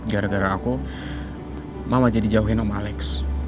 gara gara aku mama jadi jauhin om alex